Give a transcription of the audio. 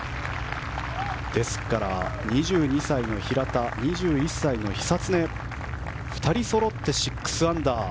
ですから、２２歳の平田２１歳の久常２人そろって６アンダー。